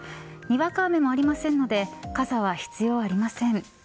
にわか雨もありませんので傘は必要ありません。